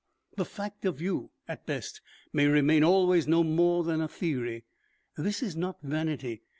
The fact of you, at best, may remain always no more than a theory. This is not vanity.